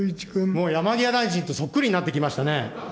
もう山際大臣とそっくりになってきましたね。